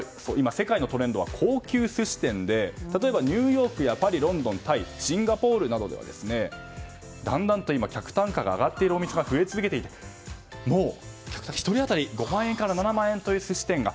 世界のトレンドは高級寿司店で例えばニューヨークやパリ、ロンドン、タイシンガポールなどではだんだん客単価が上がっているお店が増えていて１人当たり５万円から７万円という寿司店が。